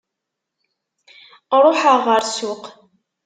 Ruḥeɣ ɣer ssuq.